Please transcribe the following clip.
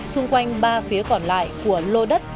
xung quanh ba phía còn lại của lô đất